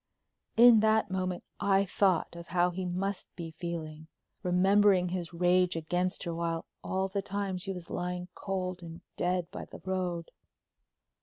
In that moment I thought of how he must be feeling, remembering his rage against her while all the time she was lying cold and dead by the road.